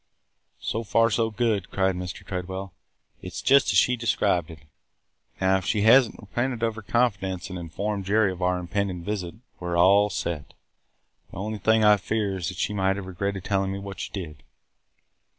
"So far so good!" cried Mr. Tredwell. "It 's just as she described it. Now, if she has n't repented of her confidence and informed Jerry of our impending visit, we 're all set. The only thing I fear is that she might have regretted telling me what she did."